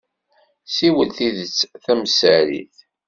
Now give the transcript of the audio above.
Ssiwel tidet tamsarit.